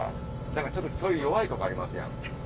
何かちょっとそういう弱いとこありますやん。